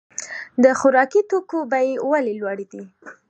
د خوراکي توکو بیې ولې لوړې دي؟